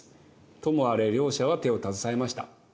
ともあれ両者は手を携えました。